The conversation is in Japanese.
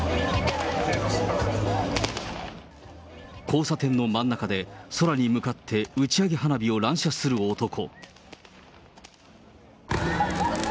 交差点の真ん中で、空に向かって打ち上げ花火を乱射する男。